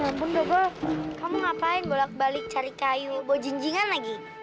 ya ampun dokol kamu ngapain bolak balik cari kayu mau jinjingan lagi